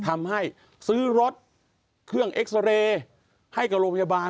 ทำให้ซื้อรถเครื่องเอ็กซาเรย์ให้กับโรงพยาบาล